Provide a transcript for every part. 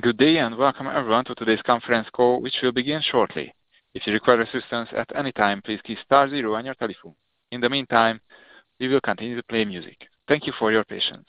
Good day, and welcome everyone to today's conference call, which will begin shortly. If you require assistance at any time, please key star zero on your telephone. In the meantime, we will continue to play music. Thank you for your patience.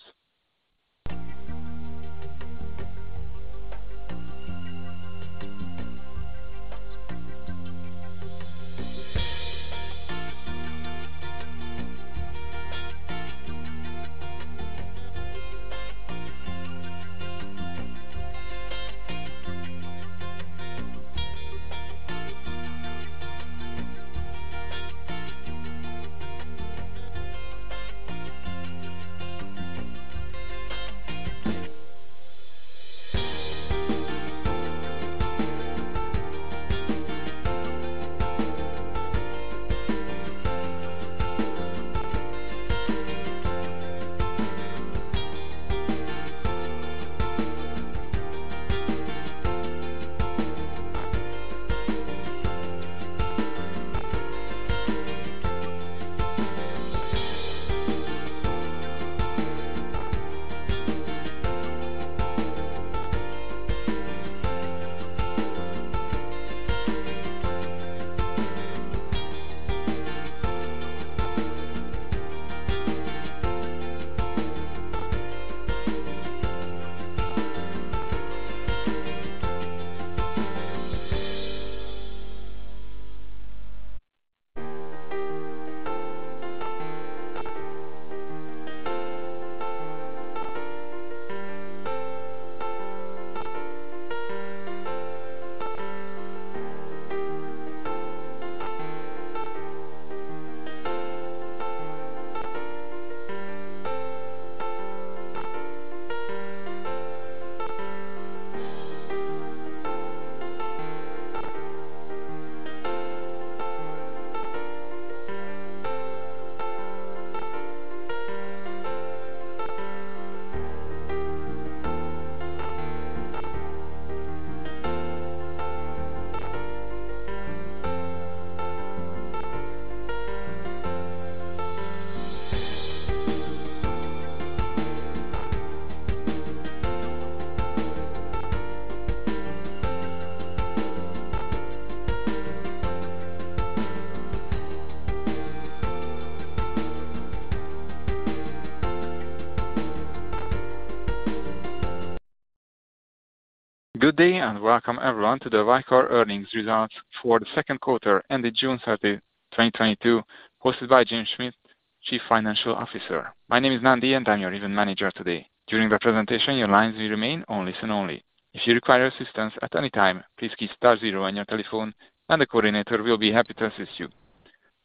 Good day, and welcome everyone to the Vicor earnings results for the second quarter ended June 30, 2022, hosted by Jim Schmidt, Chief Financial Officer. My name is Nandi, and I'm your event manager today. During the presentation, your lines will remain on listen only. If you require assistance at any time, please key star zero on your telephone, and the coordinator will be happy to assist you.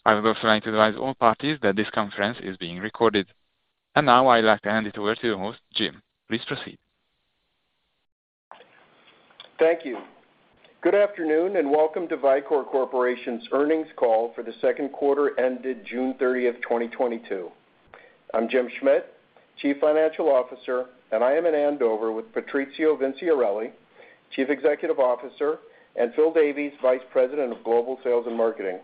I would also like to advise all parties that this conference is being recorded. Now I'd like to hand it over to the host, Jim. Please proceed. Thank you. Good afternoon, and welcome to Vicor Corporation's earnings call for the second quarter ended June 30th, 2022. I'm Jim Schmidt, Chief Financial Officer, and I am in Andover with Patrizio Vinciarelli, Chief Executive Officer, and Phil Davies, Vice President of Global Sales and Marketing.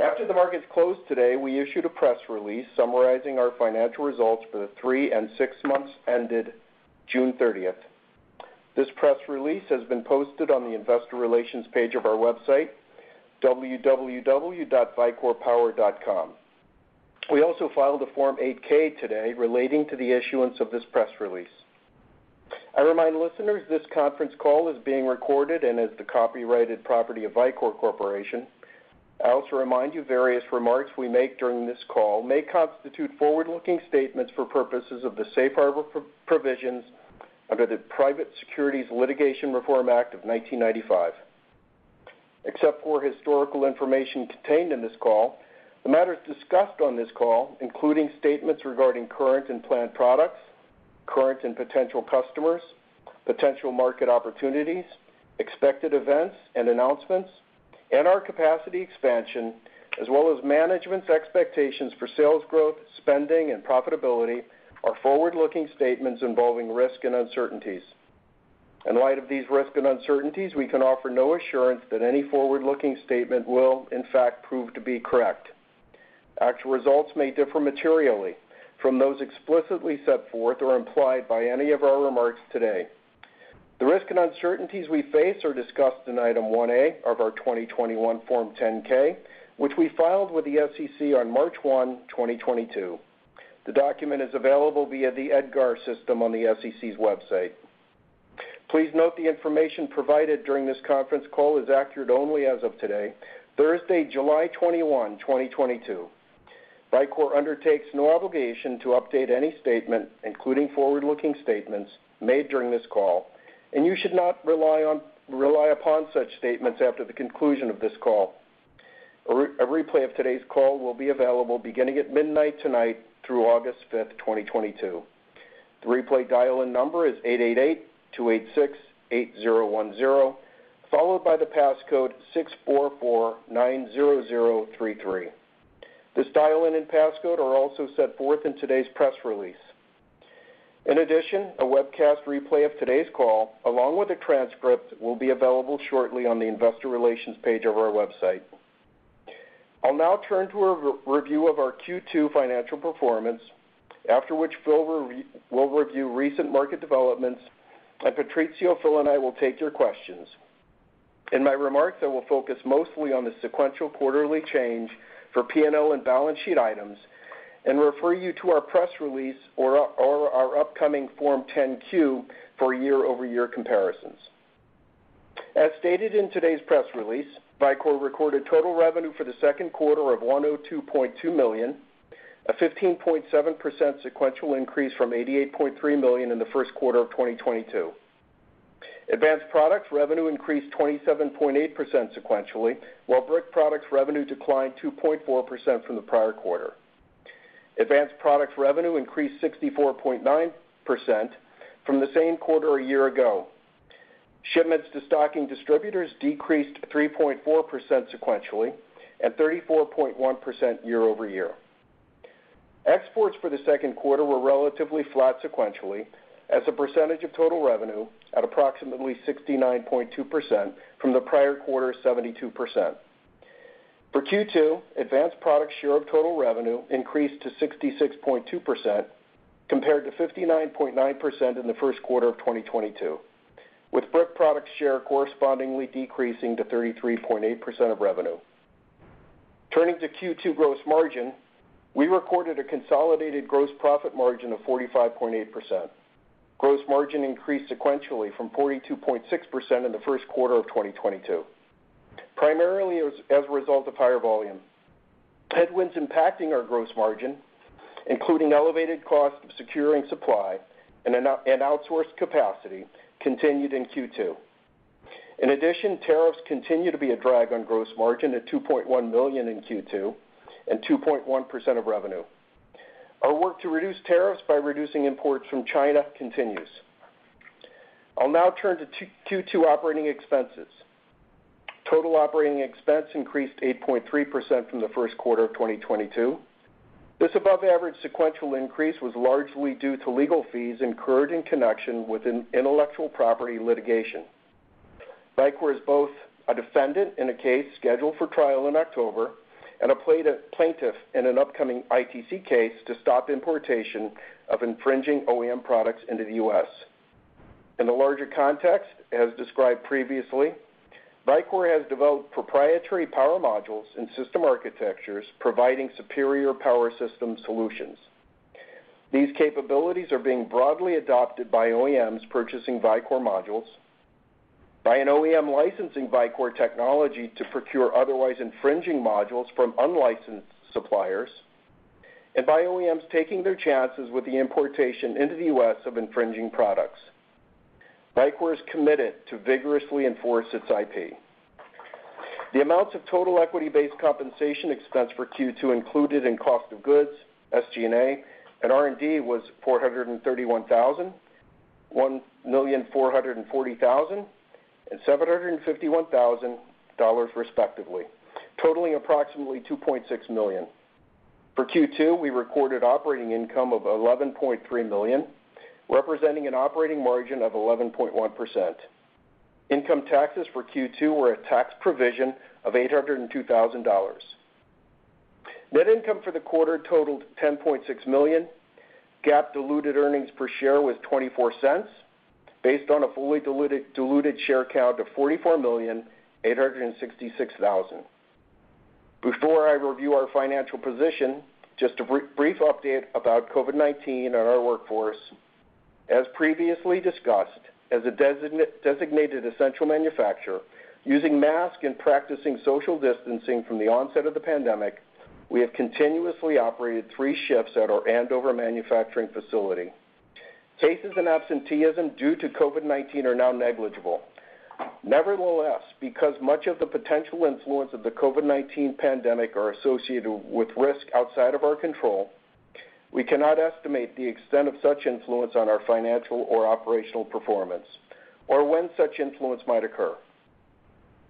After the markets closed today, we issued a press release summarizing our financial results for the three and six months ended June 30th. This press release has been posted on the investor relations page of our website, www.vicorpower.com. We also filed a Form 8-K today relating to the issuance of this press release. I remind listeners this conference call is being recorded and is the copyrighted property of Vicor Corporation. I also remind you various remarks we make during this call may constitute forward-looking statements for purposes of the safe harbor provisions under the Private Securities Litigation Reform Act of 1995. Except for historical information contained in this call, the matters discussed on this call, including statements regarding current and planned products, current and potential customers, potential market opportunities, expected events and announcements, and our capacity expansion, as well as management's expectations for sales growth, spending, and profitability are forward-looking statements involving risk and uncertainties. In light of these risks and uncertainties, we can offer no assurance that any forward-looking statement will in fact prove to be correct. Actual results may differ materially from those explicitly set forth or implied by any of our remarks today. The risks and uncertainties we face are discussed in Item 1A of our 2021 Form 10-K, which we filed with the SEC on March 1, 2022. The document is available via the EDGAR system on the SEC's website. Please note the information provided during this conference call is accurate only as of today, Thursday, July 21, 2022. Vicor undertakes no obligation to update any statement, including forward-looking statements, made during this call, and you should not rely upon such statements after the conclusion of this call. A replay of today's call will be available beginning at midnight tonight through August 5th, 2022. The replay dial-in number is 888-286-8010, followed by the passcode 64490033. This dial-in and passcode are also set forth in today's press release. In addition, a webcast replay of today's call, along with a transcript, will be available shortly on the investor relations page of our website. I'll now turn to a review of our Q2 financial performance, after which Phil will review recent market developments, and Patrizio, Phil, and I will take your questions. In my remarks, I will focus mostly on the sequential quarterly change for P&L and balance sheet items and refer you to our press release or our upcoming Form 10-Q for year-over-year comparisons. As stated in today's press release, Vicor recorded total revenue for the second quarter of $102.2 million, a 15.7% sequential increase from $88.3 million in the first quarter of 2022. Advanced Products revenue increased 27.8% sequentially, while Brick products revenue declined 2.4% from the prior quarter. Advanced Products revenue increased 64.9% from the same quarter a year ago. Shipments to stocking distributors decreased 3.4% sequentially and 34.1% year-over-year. Exports for the second quarter were relatively flat sequentially as a percentage of total revenue at approximately 69.2% from the prior quarter's 72%. For Q2, Advanced Products share of total revenue increased to 66.2% compared to 59.9% in the first quarter of 2022, with Brick Products share correspondingly decreasing to 33.8% of revenue. Turning to Q2 gross margin, we recorded a consolidated gross profit margin of 45.8%. Gross margin increased sequentially from 42.6% in the first quarter of 2022, primarily as a result of higher volume. Headwinds impacting our gross margin, including elevated cost of securing supply and outsourced capacity, continued in Q2. In addition, tariffs continue to be a drag on gross margin at $2.1 million in Q2 and 2.1% of revenue. Our work to reduce tariffs by reducing imports from China continues. I'll now turn to Q2 operating expenses. Total operating expense increased 8.3% from the first quarter of 2022. This above-average sequential increase was largely due to legal fees incurred in connection with an intellectual property litigation. Vicor is both a defendant in a case scheduled for trial in October and a plaintiff in an upcoming ITC case to stop importation of infringing OEM products into the U.S. In the larger context, as described previously, Vicor has developed proprietary power modules and system architectures providing superior power system solutions. These capabilities are being broadly adopted by OEMs purchasing Vicor modules, by an OEM licensing Vicor technology to procure otherwise infringing modules from unlicensed suppliers, and by OEMs taking their chances with the importation into the U.S. of infringing products. Vicor is committed to vigorously enforce its IP. The amounts of total equity-based compensation expense for Q2 included in cost of goods, SG&A, and R&D was $431,000, $1,440,000, and $751,000 respectively, totaling approximately $2.6 million. For Q2, we recorded operating income of $11.3 million, representing an operating margin of 11.1%. Income taxes for Q2 were a tax provision of $802,000. Net income for the quarter totaled $10.6 million. GAAP diluted earnings per share was $0.24 based on a fully diluted share count of 44,866,000. Before I review our financial position, just a brief update about COVID-19 on our workforce. As previously discussed, as a designated essential manufacturer, using masks and practicing social distancing from the onset of the pandemic, we have continuously operated three shifts at our Andover manufacturing facility. Cases and absenteeism due to COVID-19 are now negligible. Nevertheless, because much of the potential influence of the COVID-19 pandemic are associated with risk outside of our control, we cannot estimate the extent of such influence on our financial or operational performance or when such influence might occur.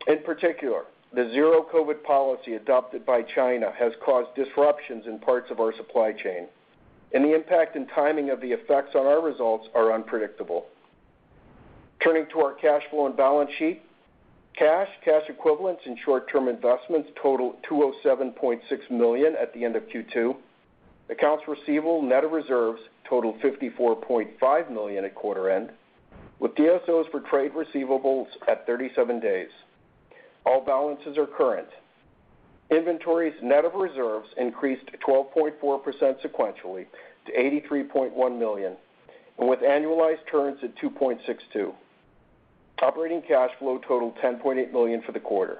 In particular, the Zero-COVID policy adopted by China has caused disruptions in parts of our supply chain, and the impact and timing of the effects on our results are unpredictable. Turning to our cash flow and balance sheet, cash equivalents, and short-term investments totaled $207.6 million at the end of Q2. Accounts receivable net of reserves totaled $54.5 million at quarter end, with DSOs for trade receivables at 37 days. All balances are current. Inventories net of reserves increased 12.4% sequentially to $83.1 million and with annualized turns at 2.62. Operating cash flow totaled $10.8 million for the quarter.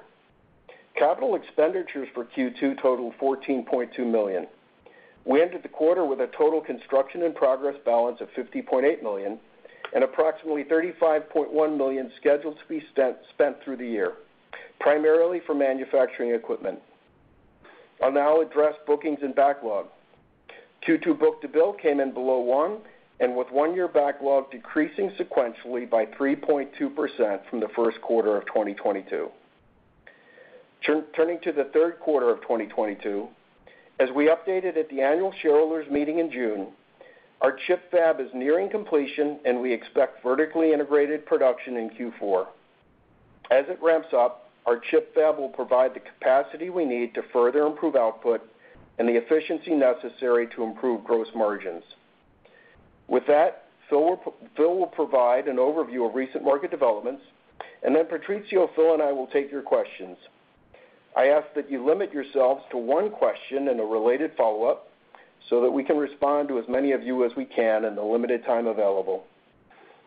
Capital expenditures for Q2 totaled $14.2 million. We ended the quarter with a total construction in progress balance of $50.8 million and approximately $35.1 million scheduled to be spent through the year, primarily for manufacturing equipment. I'll now address bookings and backlog. Q2 book-to-bill came in below one, and with one-year backlog decreasing sequentially by 3.2% from the first quarter of 2022. Turning to the third quarter of 2022. As we updated at the annual shareholders meeting in June, our ChiP fab is nearing completion, and we expect vertically integrated production in Q4. As it ramps up, our ChiP fab will provide the capacity we need to further improve output and the efficiency necessary to improve gross margins. With that, Phil will provide an overview of recent market developments, and then Patrizio, Phil, and I will take your questions. I ask that you limit yourselves to one question and a related follow-up so that we can respond to as many of you as we can in the limited time available.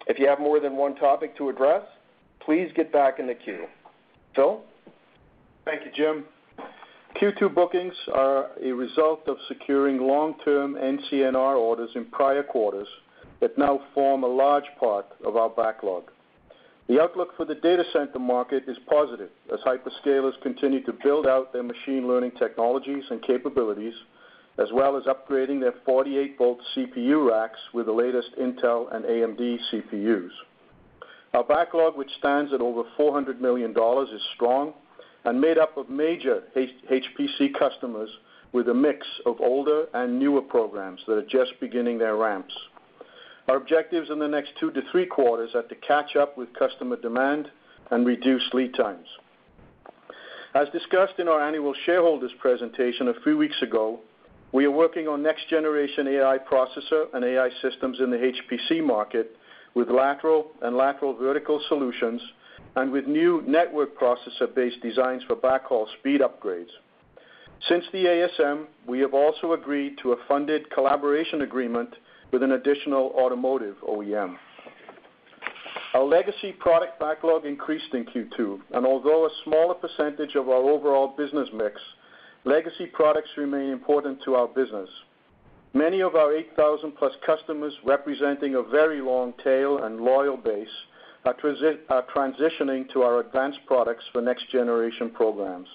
If you have more than one topic to address, please get back in the queue. Phil? Thank you, Jim. Q2 bookings are a result of securing long-term NCNR orders in prior quarters that now form a large part of our backlog. The outlook for the data center market is positive as hyperscalers continue to build out their machine learning technologies and capabilities, as well as upgrading their 48 volt CPU racks with the latest Intel and AMD CPUs. Our backlog, which stands at over $400 million, is strong and made up of major HPC customers with a mix of older and newer programs that are just beginning their ramps. Our objectives in the next two to three quarters are to catch up with customer demand and reduce lead times. As discussed in our annual shareholders presentation a few weeks ago, we are working on next-generation AI processor and AI systems in the HPC market with lateral-vertical solutions and with new network processor-based designs for backhaul speed upgrades. Since the ASM, we have also agreed to a funded collaboration agreement with an additional automotive OEM. Our legacy product backlog increased in Q2, and although a smaller percentage of our overall business mix, legacy products remain important to our business. Many of our 8,000+ customers, representing a very long tail and loyal base, are transitioning to our Advanced Products for next generation programs.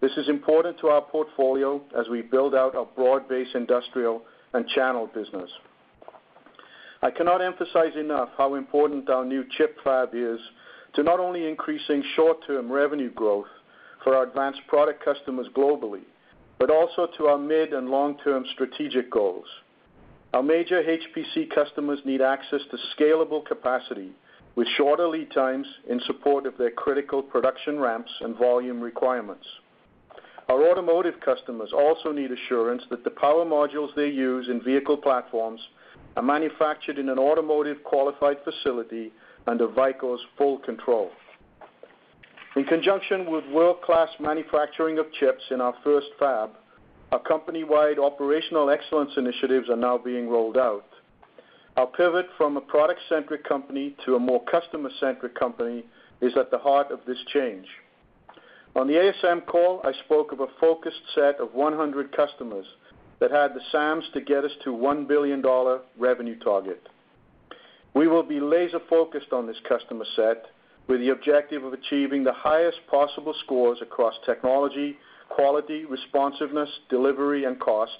This is important to our portfolio as we build out our broad-based industrial and channel business. I cannot emphasize enough how important our new ChiP fab is to not only increasing short-term revenue growth for our Advanced Products customers globally, but also to our mid and long-term strategic goals. Our major HPC customers need access to scalable capacity with shorter lead times in support of their critical production ramps and volume requirements. Our automotive customers also need assurance that the power modules they use in vehicle platforms are manufactured in an automotive qualified facility under Vicor's full control. In conjunction with world-class manufacturing of chips in our first fab, our company-wide operational excellence initiatives are now being rolled out. Our pivot from a product-centric company to a more customer-centric company is at the heart of this change. On the ASM call, I spoke of a focused set of 100 customers that had the SAMs to get us to $1 billion revenue target. We will be laser-focused on this customer set with the objective of achieving the highest possible scores across technology, quality, responsiveness, delivery, and cost,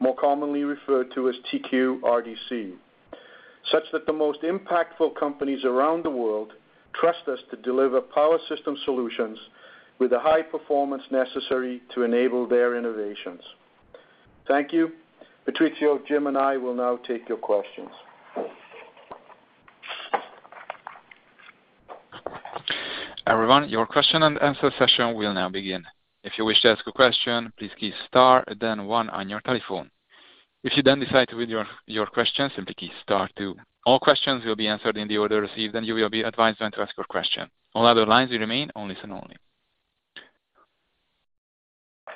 more commonly referred to as TQRDC, such that the most impactful companies around the world trust us to deliver power system solutions with the high performance necessary to enable their innovations. Thank you. Patrizio, Jim, and I will now take your questions. Everyone, your question and answer session will now begin. If you wish to ask a question, please key star then one on your telephone. If you then decide to withdraw your question, simply key star two. All questions will be answered in the order received, and you will be advised when to ask your question. All other lines will remain on listen only.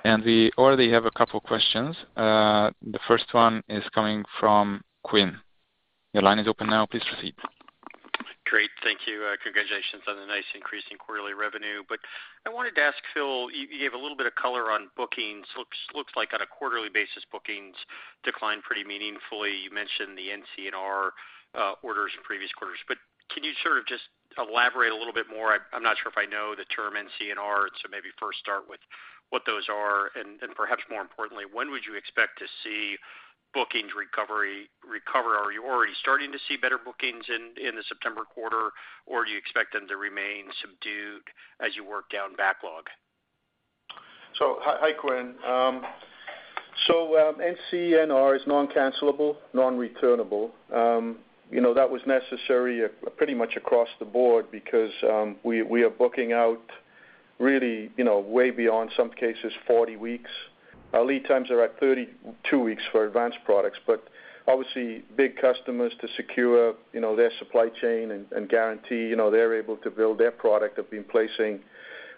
We already have a couple questions. The first one is coming from Quinn. Your line is open now. Please proceed. Great. Thank you. Congratulations on the nice increase in quarterly revenue. I wanted to ask Phil, you gave a little bit of color on bookings. Looks like on a quarterly basis, bookings declined pretty meaningfully. You mentioned the NCNR orders in previous quarters, but can you sort of just elaborate a little bit more? I'm not sure if I know the term NCNR, so maybe first start with what those are, and perhaps more importantly, when would you expect to see bookings recover? Are you already starting to see better bookings in the September quarter, or do you expect them to remain subdued as you work down backlog? Hi, Quinn. NCNR is non-cancellable, non-returnable. You know, that was necessary pretty much across the board because we are booking out really, you know, way beyond some cases, 40 weeks. Our lead times are at 32 weeks for Advanced Products. Obviously, big customers to secure, you know, their supply chain and guarantee, you know, they're able to build their product, have been placing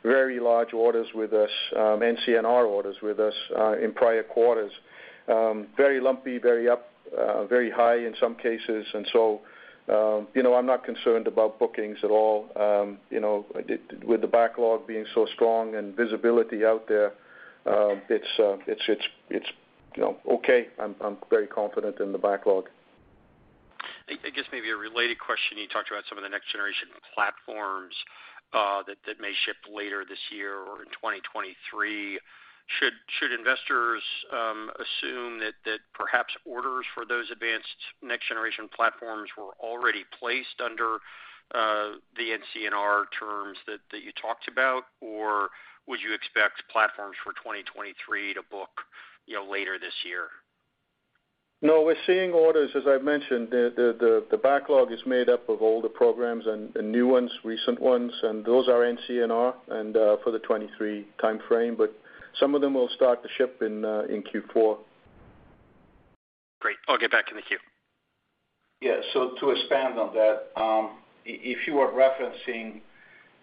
very large orders with us, NCNR orders with us, in prior quarters. Very lumpy, very up, very high in some cases, and so, you know, I'm not concerned about bookings at all, you know, with the backlog being so strong and visibility out there, it's, you know, okay. I'm very confident in the backlog. I guess maybe a related question, you talked about some of the next generation platforms that may ship later this year or in 2023. Should investors Assume that perhaps orders for those advanced next-generation platforms were already placed under the NCNR terms that you talked about? Or would you expect platforms for 2023 to book, you know, later this year? No, we're seeing orders, as I've mentioned, the backlog is made up of older programs and new ones, recent ones, and those are NCNR and for the 2023 timeframe. Some of them will start to ship in Q4. Great. I'll get back in the queue. To expand on that, if you are referencing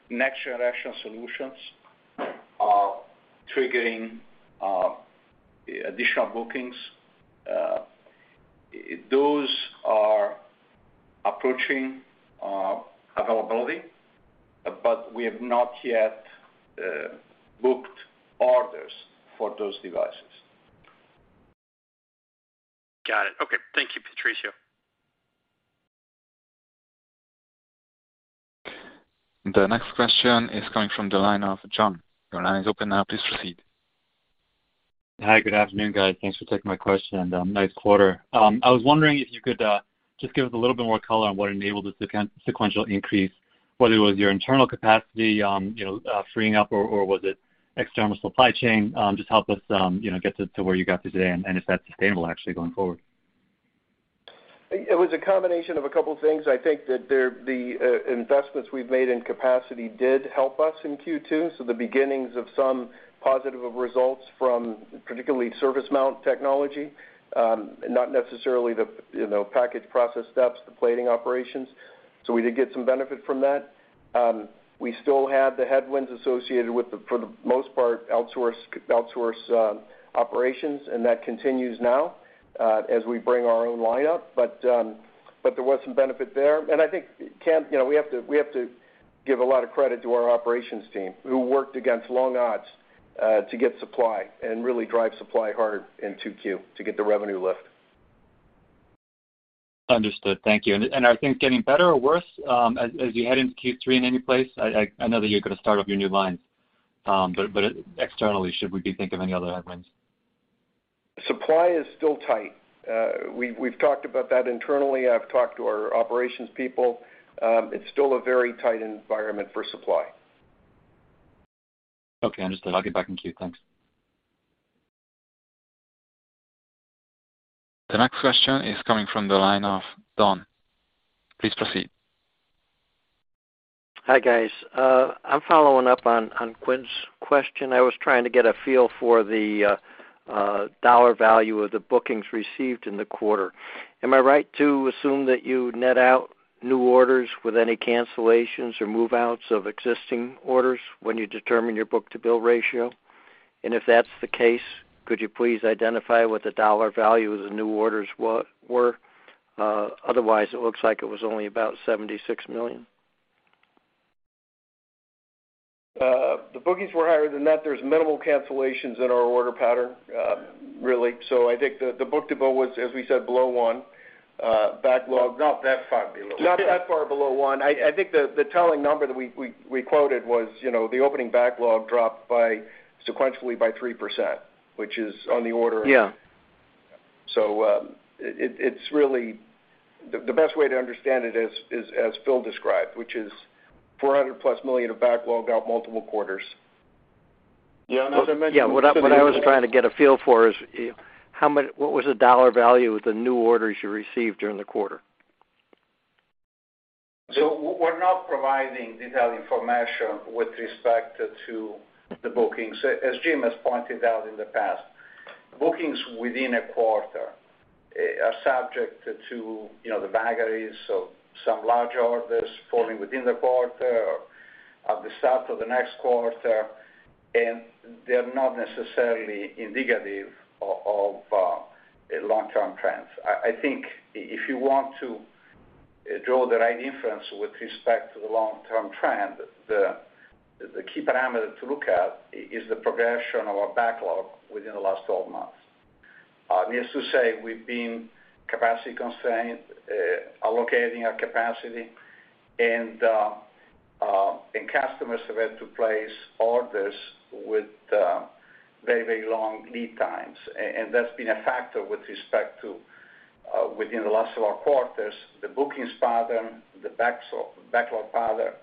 next-generation solutions triggering additional bookings, those are approaching availability, but we have not yet booked orders for those devices. Got it. Okay. Thank you, Patrizio. The next question is coming from the line of John. Your line is open now. Please proceed. Hi, good afternoon, guys. Thanks for taking my question. Nice quarter. I was wondering if you could just give us a little bit more color on what enabled the sequential increase, whether it was your internal capacity, you know, freeing up, or was it external supply chain? Just help us, you know, get to where you got to today and if that's sustainable actually going forward. It was a combination of a couple things. I think that the investments we've made in capacity did help us in Q2, so the beginnings of some positive results from particularly surface mount technology, not necessarily the, you know, package process steps, the plating operations. We did get some benefit from that. We still had the headwinds associated with, for the most part, outsourced operations, and that continues now as we bring our own line up. There was some benefit there. I think, you know, we have to give a lot of credit to our operations team who worked against long odds to get supply and really drive supply hard in 2Q to get the revenue lift. Understood. Thank you. Are things getting better or worse as you head into Q3 in any place? I know that you're gonna start up your new lines. Externally, should we be think of any other headwinds? Supply is still tight. We've talked about that internally. I've talked to our operations people. It's still a very tight environment for supply. Okay, understood. I'll get back in queue. Thanks. The next question is coming from the line of Don. Please proceed. Hi, guys. I'm following up on Quinn's question. I was trying to get a feel for the dollar value of the bookings received in the quarter. Am I right to assume that you net out new orders with any cancellations or move-outs of existing orders when you determine your book-to-bill ratio? If that's the case, could you please identify what the dollar value of the new orders were? Otherwise, it looks like it was only about $76 million. The bookings were higher than that. There's minimal cancellations in our order pattern, really. I think the book-to-bill was, as we said, below one. Backlog Not that far below one. Not that far below one. I think the telling number that we quoted was, you know, the opening backlog dropped sequentially by 3%, which is on the order of. Yeah. It's really the best way to understand it is as Phil described, which is $400+ million of backlog over multiple quarters. Yeah, as I mentioned. What I was trying to get a feel for is what was the dollar value of the new orders you received during the quarter? We're not providing detailed information with respect to the bookings. As Jim has pointed out in the past, bookings within a quarter are subject to, you know, the vagaries of some large orders falling within the quarter or at the start of the next quarter, and they're not necessarily indicative of long-term trends. I think if you want to draw the right inference with respect to the long-term trend, the key parameter to look at is the progression of our backlog within the last 12 months. Needless to say, we've been capacity constrained, allocating our capacity, and customers have had to place orders with very long lead times. That's been a factor with respect to within the last several quarters, the bookings pattern, the backlog pattern,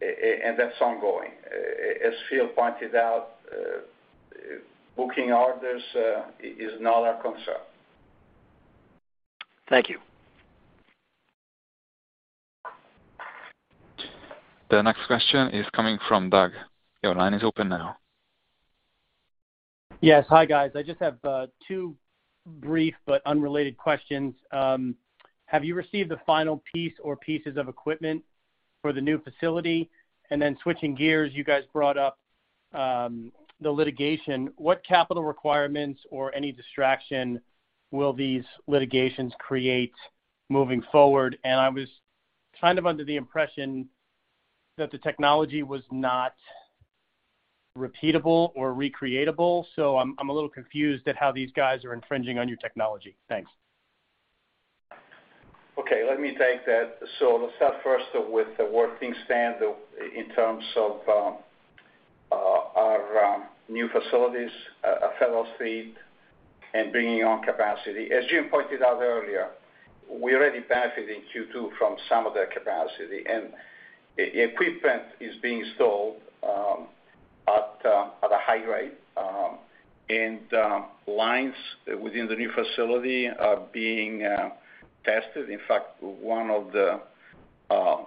and that's ongoing. As Phil pointed out, booking orders is not our concern. Thank you. The next question is coming from Doug. Your line is open now. Yes. Hi, guys. I just have two brief but unrelated questions. Have you received the final piece or pieces of equipment for the new facility? Switching gears, you guys brought up the litigation. What capital requirements or any distraction will these litigations create moving forward? I was kind of under the impression that the technology was not repeatable or recreatable, so I'm a little confused at how these guys are infringing on your technology. Thanks. Okay, let me take that. Let's start first with the work standpoint in terms of our new facilities at Federal Street and bringing on capacity. As Jim pointed out earlier, we're already benefiting in Q2 from some of that capacity, and equipment is being installed at a high rate, and lines within the new facility are being tested. In fact, one of the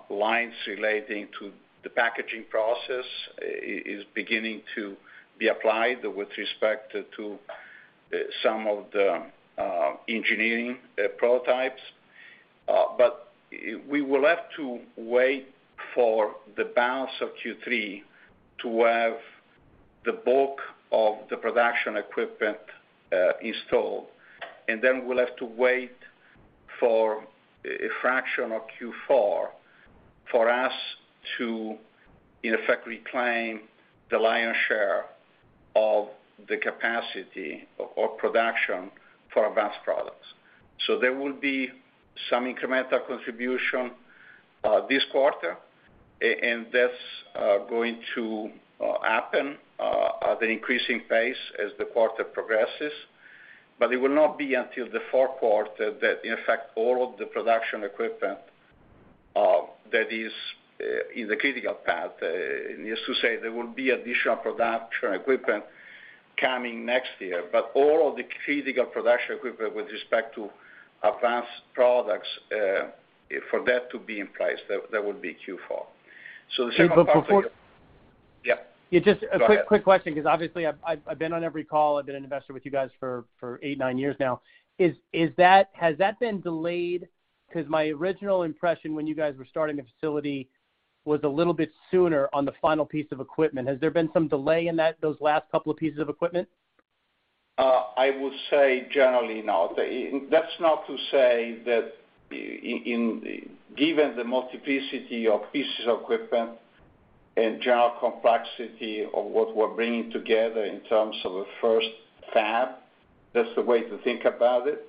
lines relating to the packaging process is beginning to be applied with respect to some of the engineering prototypes. We will have to wait for the balance of Q3 to have the bulk of the production equipment installed, and then we'll have to wait for a fraction of Q4 for us to in effect reclaim the lion's share of the capacity of our production for Advanced Products. There will be some incremental contribution this quarter, and that's going to happen at an increasing pace as the quarter progresses, but it will not be until the fourth quarter that in effect all of the production equipment that is in the critical path. Needless to say, there will be additional production equipment coming next year. All of the critical production equipment with respect to Advanced Products, for that to be in place, that would be Q4. But before-- Yeah. Yeah, just a quick- Go ahead. -question, because obviously I've been on every call. I've been an investor with you guys for eight, nine years now. Has that been delayed? Because my original impression when you guys were starting the facility was a little bit sooner on the final piece of equipment. Has there been some delay in that, those last couple of pieces of equipment? I would say generally not. That's not to say that given the multiplicity of pieces of equipment and general complexity of what we're bringing together in terms of a first fab, that's the way to think about it.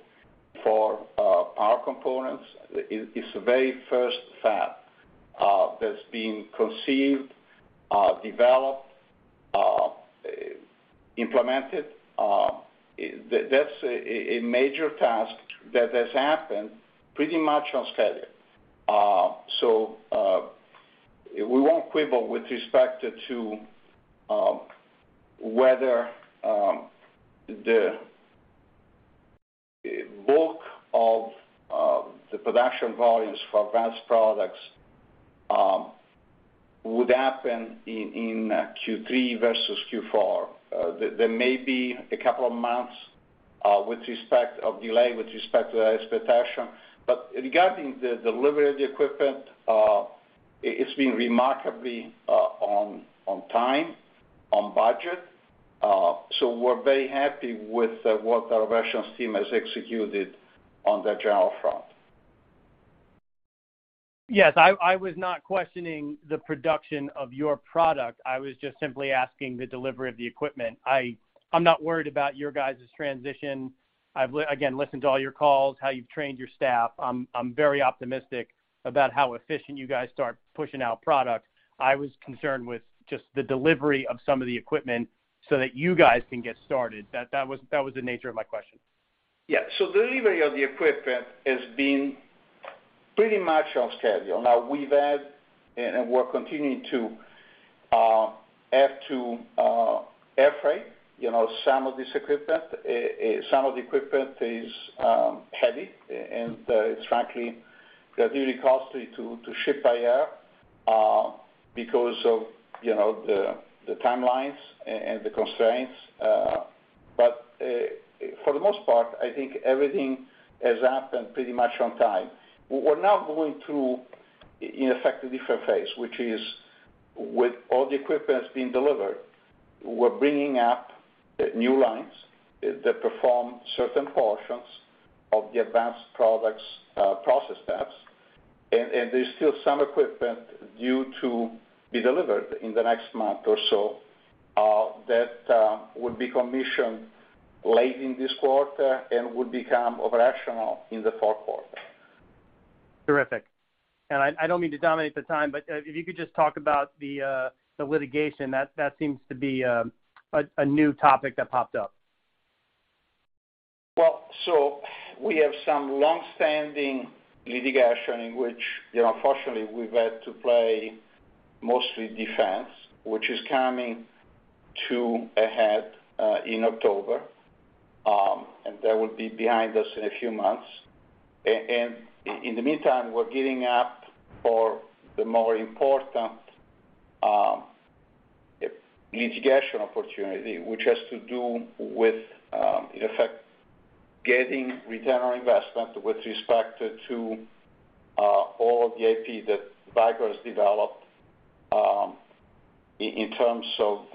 For power components, it's the very first fab that's been conceived, developed, implemented. That's a major task that has happened pretty much on schedule. We won't quibble with respect to whether the bulk of the production volumes for Advanced Products would happen in Q3 versus Q4. There may be a couple of months with respect to delay with respect to the expectation. Regarding the delivery of the equipment, it's been remarkably on time, on budget. We're very happy with what our operations team has executed on that general front. Yes. I was not questioning the production of your product. I was just simply asking the delivery of the equipment. I'm not worried about your guys' transition. I've again listened to all your calls, how you've trained your staff. I'm very optimistic about how efficient you guys start pushing out product. I was concerned with just the delivery of some of the equipment so that you guys can get started. That was the nature of my question. Yeah. Delivery of the equipment has been pretty much on schedule. Now we've had and we're continuing to have to air freight, you know, some of this equipment. Some of the equipment is heavy and it's frankly really costly to ship by air because of, you know, the timelines and the constraints. But for the most part, I think everything has happened pretty much on time. We're now going through, in effect, a different phase, which is with all the equipment that's being delivered, we're bringing up new lines that perform certain portions of the Advanced Products process steps. There's still some equipment due to be delivered in the next month or so that would be commissioned late in this quarter and would become operational in the fourth quarter. Terrific. I don't mean to dominate the time, but if you could just talk about the litigation. That seems to be a new topic that popped up. We have some long-standing litigation in which, you know, unfortunately, we've had to play mostly defense, which is coming to a head in October. That will be behind us in a few months. In the meantime, we're gearing up for the more important litigation opportunity, which has to do with, in effect getting return on investment with respect to all of the IP that Vicor has developed, in terms of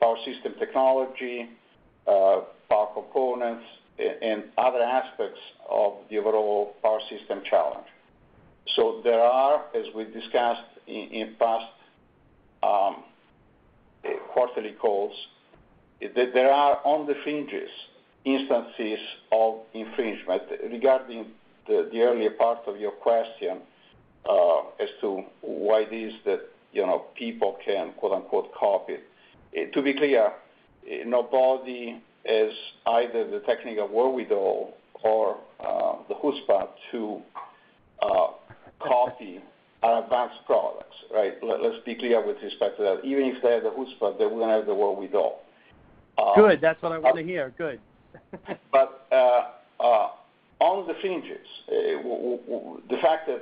power system technology, power components, and other aspects of the overall power system challenge. There are, as we discussed in past quarterly calls, on the fringes instances of infringement regarding the earlier part of your question, as to why it is that, you know, people can "copy." To be clear, nobody has either the technical wherewithal or the chutzpah to copy our Advanced Products, right? Let's be clear with respect to that. Even if they have the chutzpah, they wouldn't have the wherewithal. Good. That's what I wanna hear. Good. On the fringes, the fact that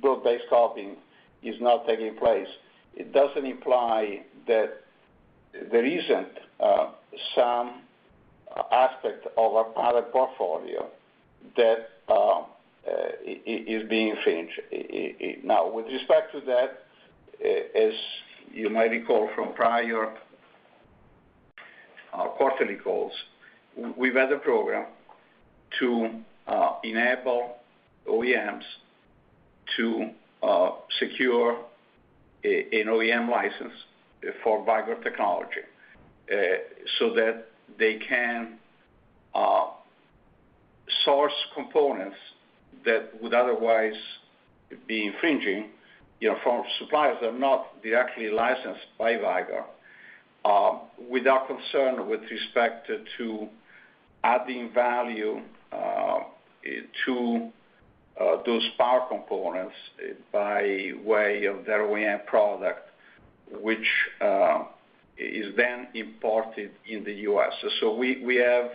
broad-based copying is not taking place, it doesn't imply that there isn't some aspect of our product portfolio that is being infringed. Now with respect to that, as you might recall from prior quarterly calls, we've had a program to enable OEMs to secure an OEM license for Vicor technology, so that they can source components that would otherwise be infringing, you know, from suppliers that are not directly licensed by Vicor, without concern with respect to adding value to those power components by way of their OEM product, which is then imported in the U.S. We have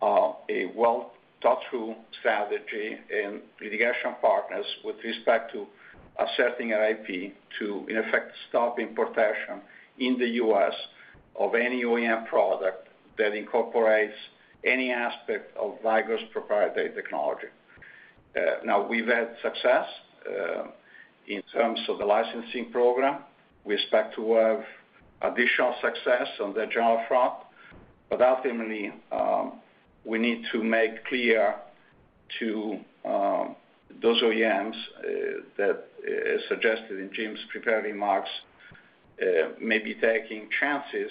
a well-thought-through strategy in litigation partners with respect to asserting our IP to, in effect, stop importation in the U.S. of any OEM product that incorporates any aspect of Vicor's proprietary technology. We've had success in terms of the licensing program. We expect to have additional success on that general front. Ultimately, we need to make clear to those OEMs that, as suggested in Jim's prepared remarks, may be taking chances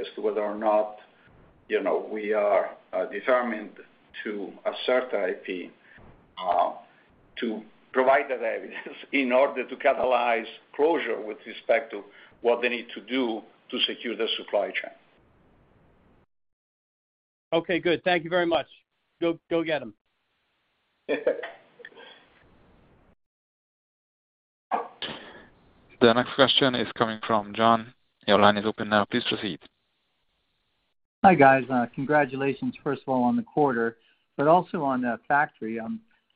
as to whether or not, you know, we are determined to assert the IP to provide that evidence in order to catalyze closure with respect to what they need to do to secure their supply chain. Okay, good. Thank you very much. Go get 'em. The next question is coming from John. Your line is open now. Please proceed. Hi, guys. Congratulations, first of all, on the quarter, but also on the factory.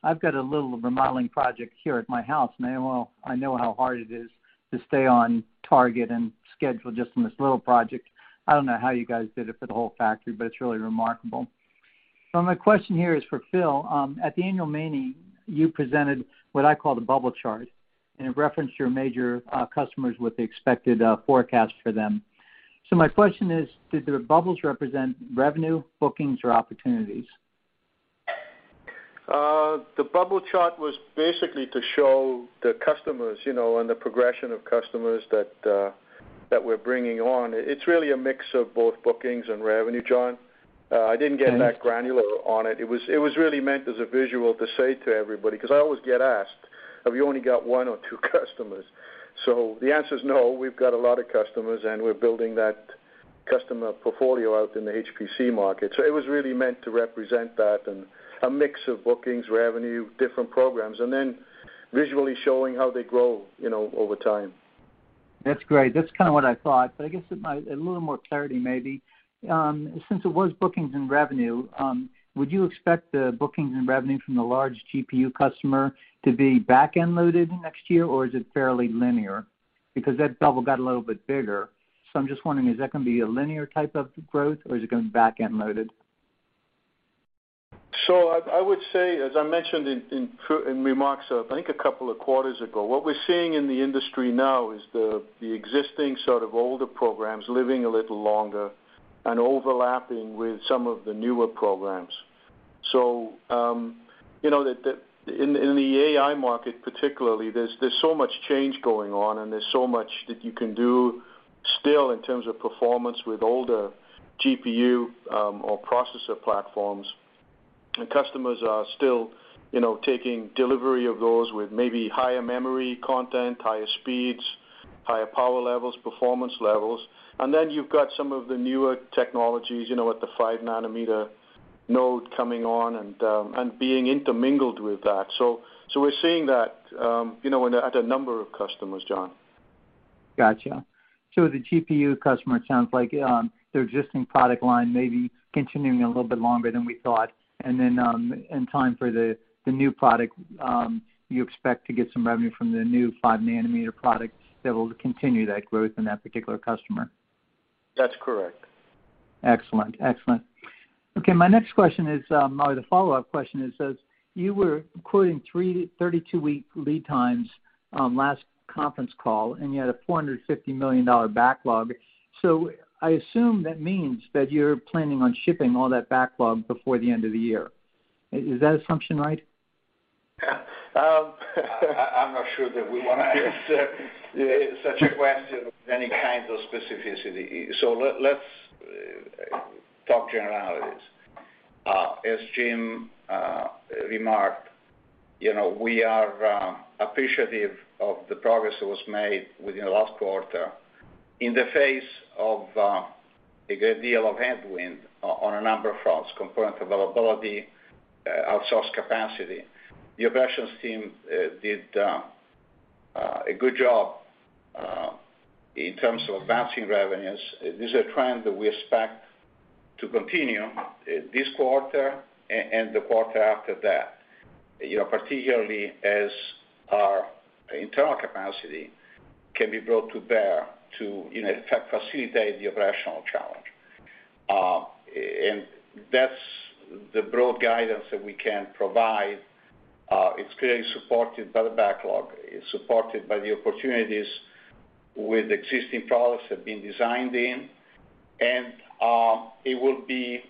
I've got a little remodeling project here at my house, and I know how hard it is to stay on target and schedule just on this little project. I don't know how you guys did it for the whole factory, but it's really remarkable. My question here is for Phil. At the annual meeting, you presented what I call the bubble chart, and it referenced your major customers with the expected forecast for them. My question is, did the bubbles represent revenue, bookings, or opportunities? The bubble chart was basically to show the customers, you know, and the progression of customers that we're bringing on. It's really a mix of both bookings and revenue, John. I didn't get that granular on it. It was really meant as a visual to say to everybody, because I always get asked, "Have you only got one or two customers?" The answer is no, we've got a lot of customers, and we're building that customer portfolio out in the HPC market. It was really meant to represent that and a mix of bookings, revenue, different programs, and then visually showing how they grow, you know, over time. That's great. That's kinda what I thought. I guess a little more clarity maybe. Since it was bookings and revenue, would you expect the bookings and revenue from the large GPU customer to be back-end loaded next year, or is it fairly linear? Because that bubble got a little bit bigger, so I'm just wondering, is that gonna be a linear type of growth, or is it gonna be back-end loaded? I would say, as I mentioned in remarks, I think a couple of quarters ago, what we're seeing in the industry now is the existing sort of older programs living a little longer and overlapping with some of the newer programs. You know, in the AI market particularly, there's so much change going on and there's so much that you can do still in terms of performance with older GPU or processor platforms. Customers are still you know taking delivery of those with maybe higher memory content, higher speeds, higher power levels, performance levels. Then you've got some of the newer technologies, you know, at the 5 nm node coming on and being intermingled with that. We're seeing that you know at a number of customers, John. Gotcha. The GPU customer, it sounds like, their existing product line may be continuing a little bit longer than we thought. In time for the new product, you expect to get some revenue from the new 5 nm products that will continue that growth in that particular customer. That's correct. Excellent. Okay. My next question is, or the follow-up question is, you were quoting 32-week lead times last conference call, and you had a $450 million backlog. I assume that means that you're planning on shipping all that backlog before the end of the year. Is that assumption right? I'm not sure that we wanna answer such a question with any kind of specificity. Let's talk generalities. As Jim remarked, you know, we are appreciative of the progress that was made within the last quarter in the face of a good deal of headwind on a number of fronts, component availability, outsourced capacity. The operations team did a good job in terms of advancing revenues. This is a trend that we expect to continue this quarter and the quarter after that, you know, particularly as our internal capacity can be brought to bear to facilitate the operational challenge. That's the broad guidance that we can provide. It's clearly supported by the backlog, it's supported by the opportunities with existing products that have been designed in. It will be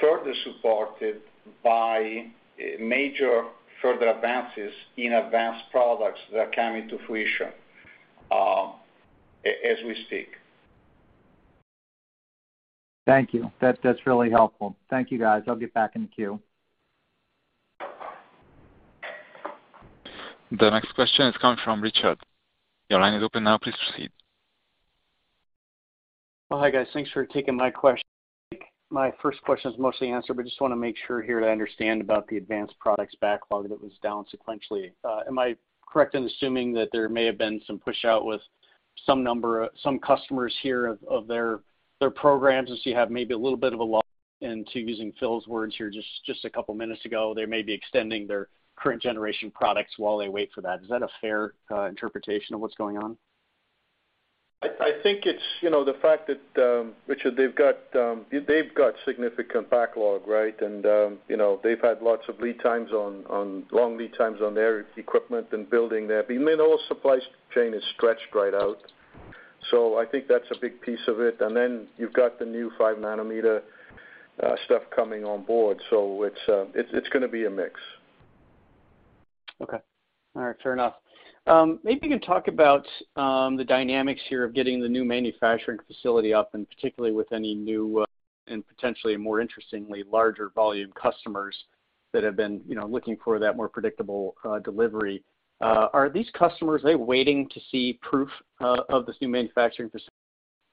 further supported by major further advances in Advanced Products that are coming to fruition, as we speak. Thank you. That's really helpful. Thank you, guys. I'll get back in the queue. The next question is coming from Richard. Your line is open now. Please proceed. Well, hi, guys. Thanks for taking my question. My first question is mostly answered, but just wanna make sure here that I understand about the Advanced Products backlog that was down sequentially. Am I correct in assuming that there may have been some pushout with some customers here of their programs as you have maybe a little bit of a lull in using Phil's words here just a couple minutes ago, they may be extending their current generation products while they wait for that. Is that a fair interpretation of what's going on? I think it's, you know, the fact that, Richard, they've got significant backlog, right? You know, they've had lots of long lead times on their equipment and building that. You know, the whole supply chain is stretched right out. I think that's a big piece of it. Then you've got the new 5 nm stuff coming on board. It's gonna be a mix. Okay. All right, fair enough. Maybe you can talk about the dynamics here of getting the new manufacturing facility up, and particularly with any new, and potentially more interestingly, larger volume customers that have been, you know, looking for that more predictable delivery. Are these customers waiting to see proof of this new manufacturing facility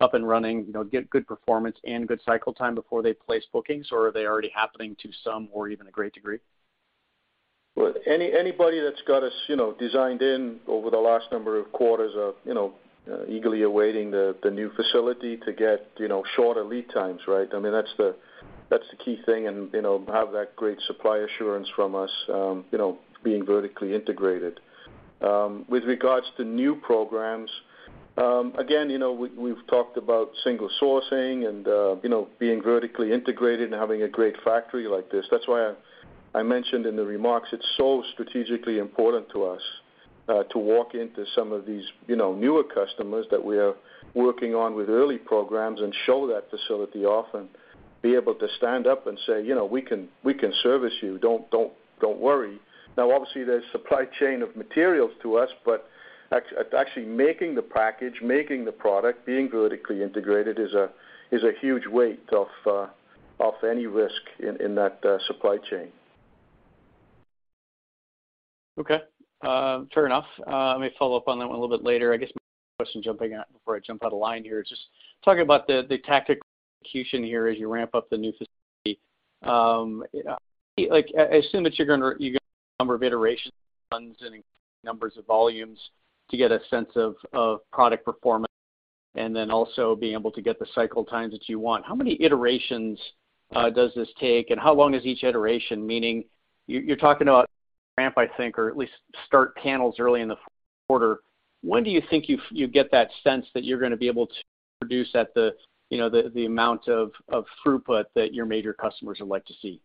up and running, you know, get good performance and good cycle time before they place bookings, or are they already happening to some or even a great degree? Well, anybody that's got us, you know, designed in over the last number of quarters are, you know, eagerly awaiting the new facility to get, you know, shorter lead times, right? I mean, that's the key thing and, you know, have that great supply assurance from us, you know, being vertically integrated. With regards to new programs, again, you know, we've talked about single sourcing and, you know, being vertically integrated and having a great factory like this. That's why I mentioned in the remarks, it's so strategically important to us, to walk into some of these, you know, newer customers that we are working on with early programs and show that facility off and be able to stand up and say, "You know, we can service you. Don't worry." Now, obviously, there's supply chain of materials to us, but actually making the package, making the product, being vertically integrated is a huge weight off any risk in that supply chain. Okay. Fair enough. Let me follow up on that one a little bit later. I guess my question jumping out before I jump out of line here is just talk about the tactical execution here as you ramp up the new facility. Like, I assume that you're gonna number of iterations, runs, and including numbers of volumes to get a sense of product performance and then also being able to get the cycle times that you want. How many iterations does this take, and how long is each iteration? Meaning you're talking about ramp, I think, or at least start panels early in the quarter. When do you think you get that sense that you're gonna be able to produce at the, you know, the amount of throughput that your major customers would like to see?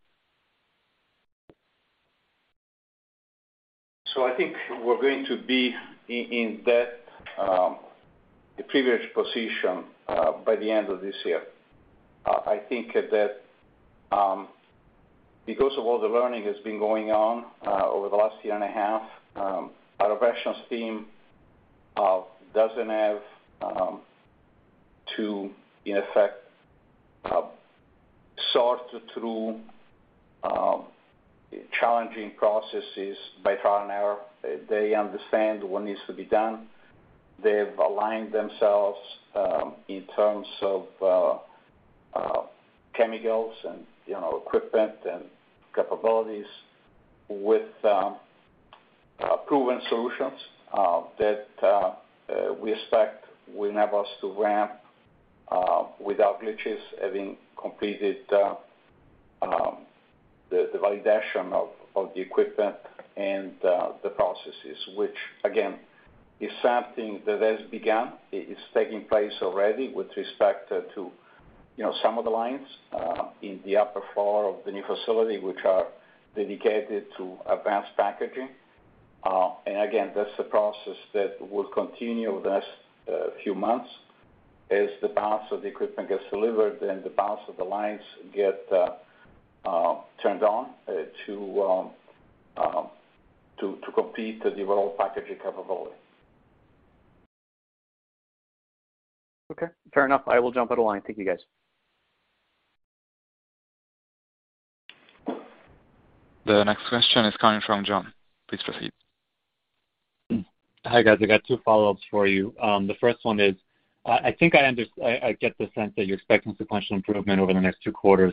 I think we're going to be in that privileged position by the end of this year. I think that because of all the learning that's been going on over the last year and a half our operations team doesn't have to in effect sort through challenging processes by trial and error. They understand what needs to be done. They've aligned themselves in terms of chemicals and you know equipment and capabilities with proven solutions that we expect will enable us to ramp without glitches having completed the validation of the equipment and the processes which again is something that has begun. It is taking place already with respect to, you know, some of the lines in the upper floor of the new facility, which are dedicated to advanced packaging. Again, that's a process that will continue over the next few months. As the parts of the equipment gets delivered, then the parts of the lines get turned on to complete the developed packaging capability. Okay, fair enough. I will jump out of line. Thank you guys. The next question is coming from John. Please proceed. Hi, guys. I got two follow-ups for you. The first one is, I think I get the sense that you're expecting sequential improvement over the next two quarters.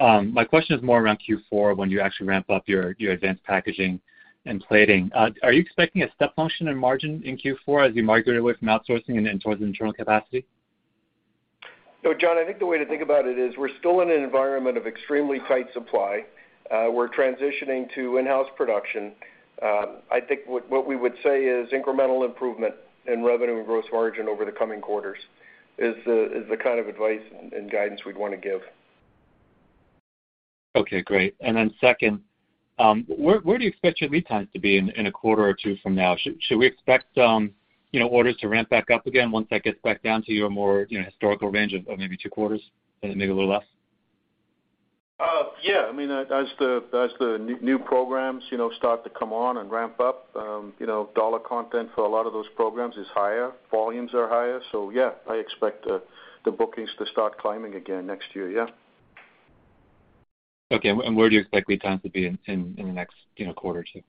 My question is more around Q4 when you actually ramp up your advanced packaging and plating. Are you expecting a step function in margin in Q4 as you migrate away from outsourcing and towards internal capacity? John, I think the way to think about it is we're still in an environment of extremely tight supply. We're transitioning to in-house production. I think what we would say is incremental improvement in revenue and gross margin over the coming quarters is the kind of advice and guidance we'd wanna give. Okay, great. Second, where do you expect your lead times to be in a quarter or two from now? Should we expect, you know, orders to ramp back up again once that gets back down to your more, you know, historical range of maybe two quarters and maybe a little less? Yeah. I mean, as the new programs, you know, start to come on and ramp up, you know, dollar content for a lot of those programs is higher, volumes are higher. Yeah, I expect the bookings to start climbing again next year, yeah. Okay. Where do you expect lead times to be in the next, you know, quarter or two?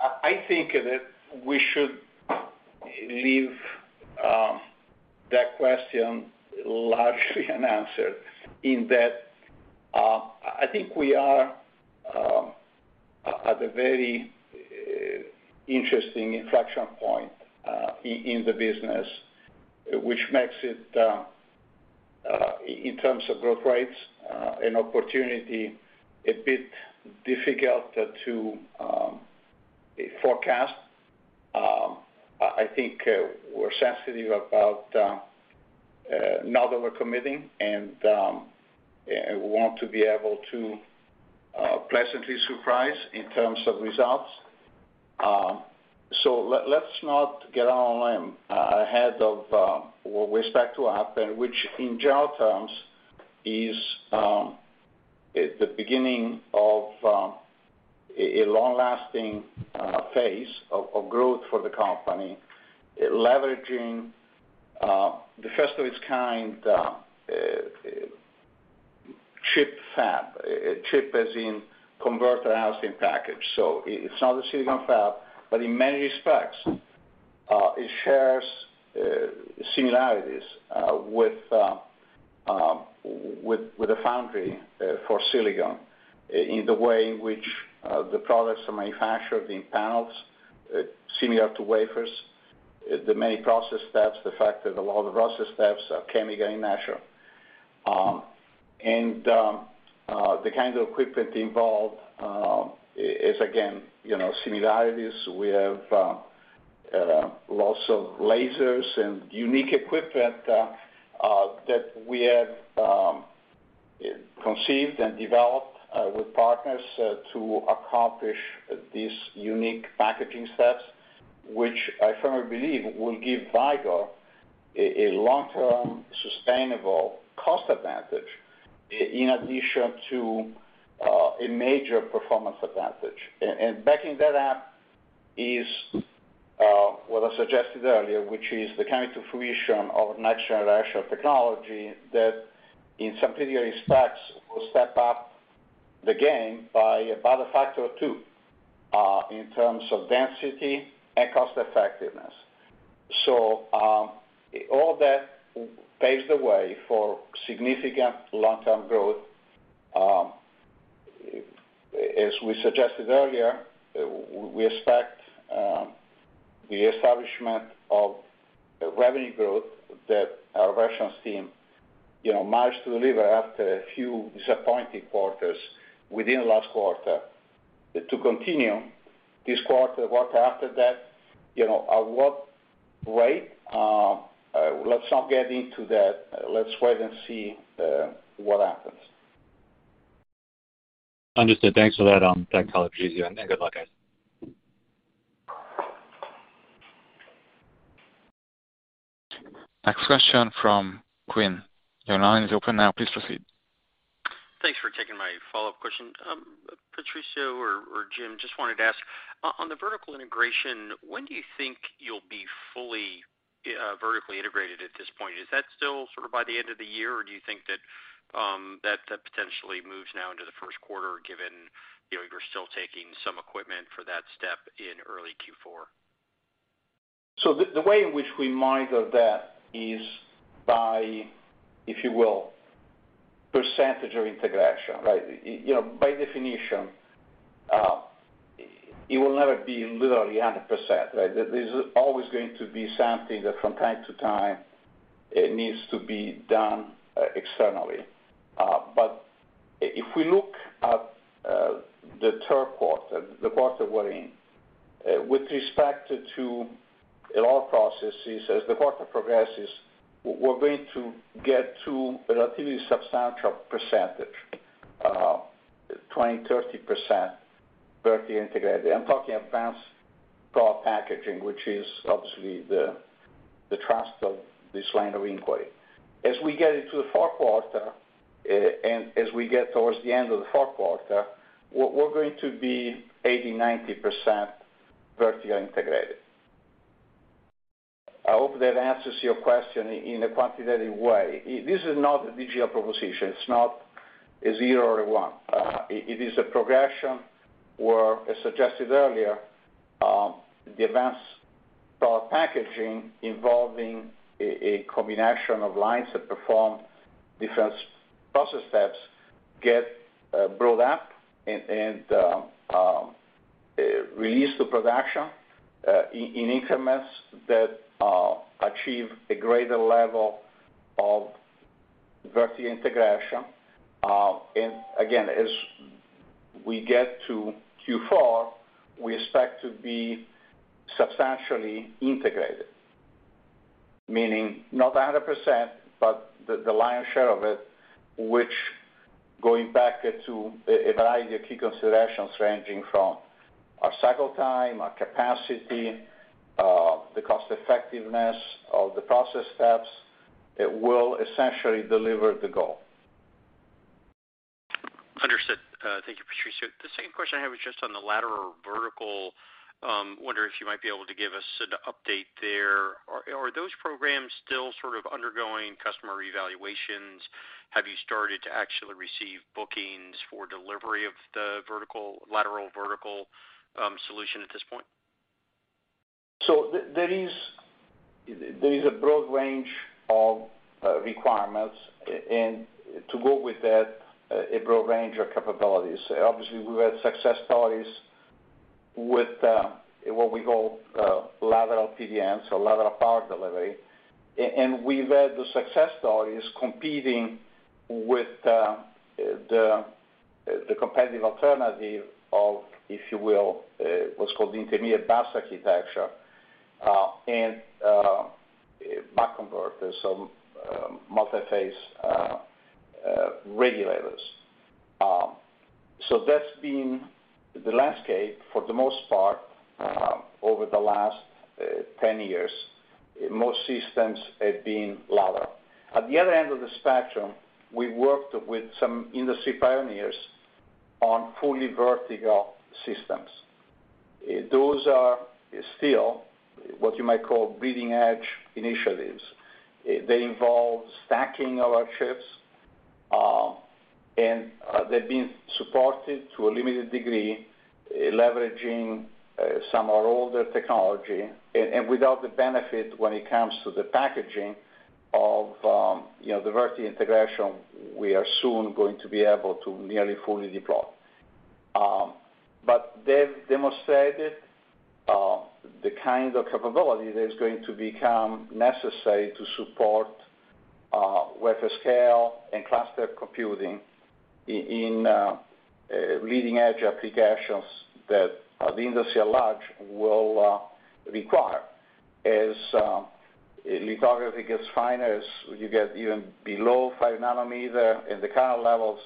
I think that we should leave that question largely unanswered in that I think we are at a very interesting inflection point in the business, which makes it in terms of growth rates an opportunity a bit difficult to forecast. I think we're sensitive about not overcommitting and want to be able to pleasantly surprise in terms of results. Let's not get out on a limb ahead of what we expect to happen, which in general terms is the beginning of a long-lasting phase of growth for the company, leveraging the first of its kind ChiP fab. ChiP as in Converter housed in Package. It's not a silicon fab, but in many respects, it shares similarities with a foundry for silicon in the way in which the products are manufactured in panels similar to wafers. The many process steps, the fact that a lot of the process steps are chemical in nature. The kind of equipment involved is again, you know, similarities. We have lots of lasers and unique equipment that we have conceived and developed with partners to accomplish these unique packaging steps, which I firmly believe will give Vicor a long-term, sustainable cost advantage in addition to a major performance advantage. Backing that up is what I suggested earlier, which is the coming to fruition of next-generation technology that in [some theory specs] will step up the game by about a factor of two in terms of density and cost effectiveness. All that paves the way for significant long-term growth. As we suggested earlier, we expect the establishment of revenue growth that our operations team, you know, managed to deliver after a few disappointing quarters within the last quarter to continue this quarter after that. You know, at what rate? Let's not get into that. Let's wait and see what happens. Understood. Thanks for that. Thanks, Patrizio, and good luck, guys. Next question from Quinn. Your line is open now. Please proceed. Thanks for taking my follow-up question. Patrizio or Jim, just wanted to ask, on the vertical integration, when do you think you'll be fully vertically integrated at this point? Is that still sort of by the end of the year, or do you think that that potentially moves now into the first quarter, given you know, you're still taking some equipment for that step in early Q4? The way in which we monitor that is by, if you will, percentage of integration, right? You know, by definition, it will never be literally 100%, right? There's always going to be something that from time to time needs to be done externally. But if we look at the third quarter, the quarter we're in, with respect to a lot of processes, as the quarter progresses, we're going to get to a relatively substantial percentage, 20%-30% vertically integrated. I'm talking advanced power packaging, which is obviously the thrust of this line of inquiry. As we get into the fourth quarter, and as we get towards the end of the fourth quarter, we're going to be 80%-90% vertically integrated. I hope that answers your question in a quantitative way. This is not a digital proposition. It's not a zero or a one. It is a progression where, as suggested earlier, the advanced power packaging involving a combination of lines that perform different process steps get built up and released to production, in increments that achieve a greater level of vertical integration. Again, as we get to Q4, we expect to be substantially integrated, meaning not 100%, but the lion's share of it, which, going back to a variety of key considerations, ranging from our cycle time, our capacity, the cost-effectiveness of the process steps, will essentially deliver the goal. Understood. Thank you, Patrizio. The second question I have is just on the lateral or vertical, wonder if you might be able to give us an update there. Are those programs still sort of undergoing customer evaluations? Have you started to actually receive bookings for delivery of the vertical, lateral-vertical, solution at this point? There is a broad range of requirements and to go with that, a broad range of capabilities. Obviously, we've had success stories with what we call lateral PDNs, so lateral power delivery. We've had success stories competing with the competitive alternative of, if you will, what's called Intermediate Bus Architecture, and buck converters, so multi-phase regulators. That's been the landscape for the most part over the last 10 years. Most systems have been lateral. At the other end of the spectrum, we worked with some industry pioneers on fully vertical systems. Those are still what you might call bleeding edge initiatives. They involve stacking of our chips, and they're being supported to a limited degree, leveraging some of our older technology and without the benefit when it comes to the packaging of, you know, the vertical integration we are soon going to be able to nearly fully deploy. They've demonstrated the kind of capability that is going to become necessary to support wafer scale and cluster computing in leading edge applications that the industry at large will require. As lithography gets finer, as you get even below 5 nm, and the current levels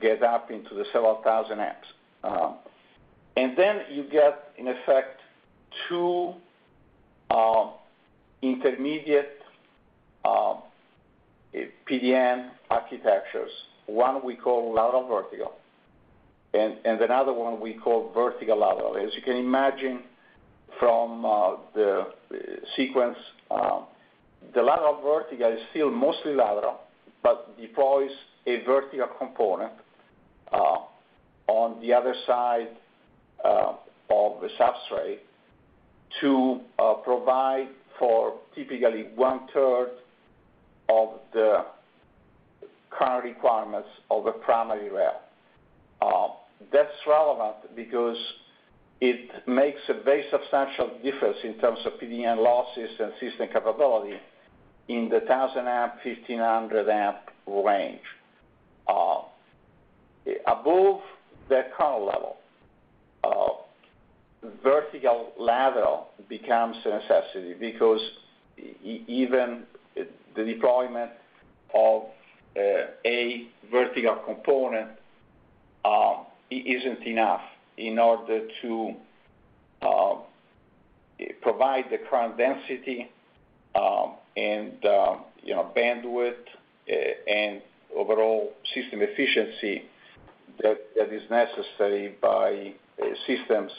get up into the several thousand amps. You get in effect two intermediate PDN architectures. One we call lateral-vertical, and another one we call vertical-lateral. As you can imagine from the sequence, the lateral-vertical is still mostly lateral, but deploys a vertical component on the other side of the substrate to provide for typically one-third of the current requirements of the primary rail. That's relevant because it makes a very substantial difference in terms of PDN losses and system capability in the 1,000-amp, 1,500-amp range. Above that current level, vertical-lateral becomes a necessity because even the deployment of a vertical component isn't enough in order to provide the current density and you know, bandwidth and overall system efficiency that is necessary by systems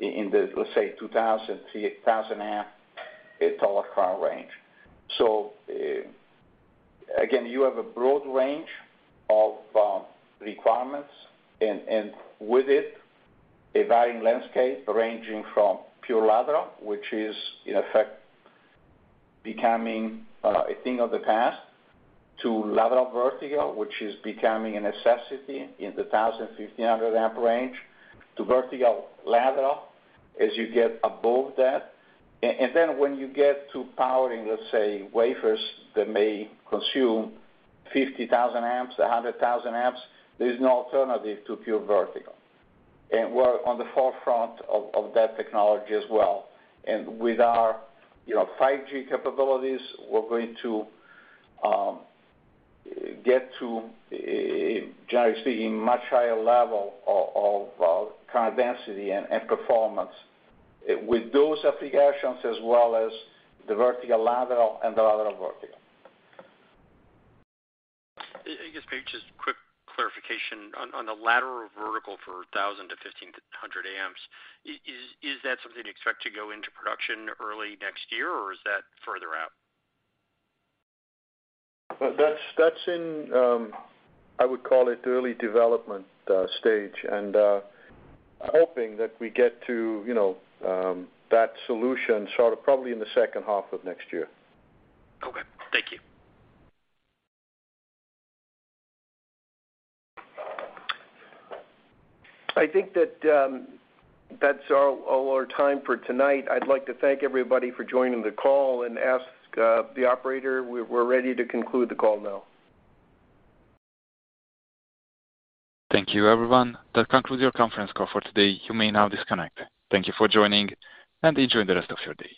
in the, let's say, 2,000, 3,000-amp total current range. Again, you have a broad range of requirements and with it, a varying landscape ranging from pure lateral, which is in effect becoming a thing of the past, to lateral-vertical, which is becoming a necessity in the 1,000, 1,500 amp range, to vertical-lateral as you get above that. When you get to powering, let's say, wafers that may consume 50,000 amps, 100,000 amps, there is no alternative to pure vertical. We're on the forefront of that technology as well. With our, you know, 5G capabilities, we're going to get to, generally speaking, much higher level of current density and performance with those applications, as well as the vertical-lateral and the lateral-vertical. I guess maybe just quick clarification. On the lateral or vertical for 1000-1500 amps, is that something you expect to go into production early next year, or is that further out? That's in, I would call it, early development stage, and hoping that we get to, you know, that solution sort of probably in the second half of next year. Okay, thank you. I think that's all our time for tonight. I'd like to thank everybody for joining the call and ask the operator, we're ready to conclude the call now. Thank you, everyone. That concludes your conference call for today. You may now disconnect. Thank you for joining, and enjoy the rest of your day.